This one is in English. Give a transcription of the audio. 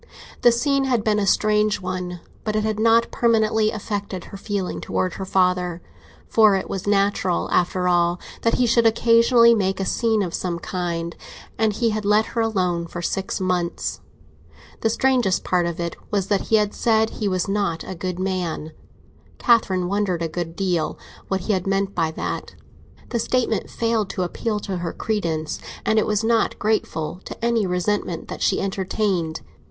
The scene had been a strange one, but it had not permanently affected her feeling towards her father, for it was natural, after all, that he should occasionally make a scene of some kind, and he had let her alone for six months. The strangest part of it was that he had said he was not a good man; Catherine wondered a great deal what he had meant by that. The statement failed to appeal to her credence, and it was not grateful to any resentment that she entertained.